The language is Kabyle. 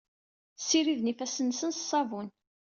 Ssiriden ifassen-nsen s uṣabun.